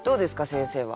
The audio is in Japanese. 先生は。